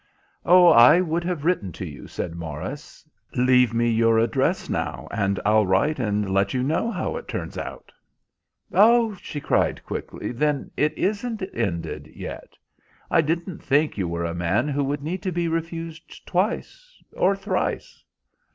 "Oh, I would have written to you," said Morris. "Leave me your address now, and I'll write and let you know how it turns out." "Oh," she cried quickly, "then it isn't ended yet? I didn't think you were a man who would need to be refused twice or thrice."